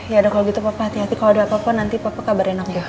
ya kalau gitu papa hati hati kalau ada apa apa nanti papa kabarin aku